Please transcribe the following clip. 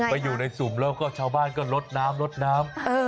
ให้อยู่ในศูมร์แล้วชาวบ้านก็รดน้ำ